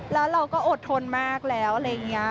แล้วเราก็อดทนมากแล้วอะไรอย่างนี้